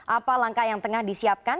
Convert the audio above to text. apa langkah yang tengah disiapkan